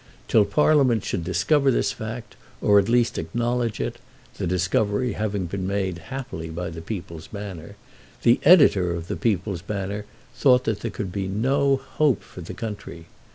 Till Parliament should discover this fact, or at least acknowledge it, the discovery having been happily made by the "People's Banner," the Editor of the "People's Banner" thought that there could be no hope for the country.